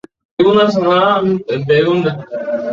ঘটনাক্রমে তাদের মোকাবিলা হয় প্রখ্যাত সমর বিশারদ খালিদের সাথে।